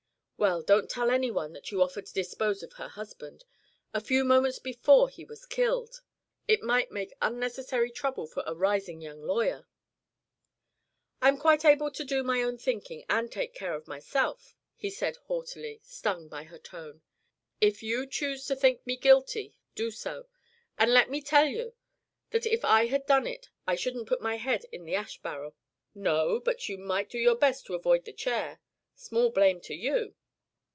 "Well, don't tell any one that you offered to dispose of her husband a few moments before he was killed! It might make unnecessary trouble for a rising young lawyer." "I am quite able to do my own thinking and take care of myself," he said haughtily, stung by her tone. "If you choose to think me guilty, do so. And let me tell you that if I had done it I shouldn't put my head in the ash barrel." "No, but you might do your best to avoid the chair. Small blame to you.